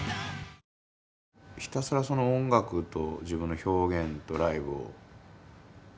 ひたすらその音楽と自分の表現とライブを愛してたというかね。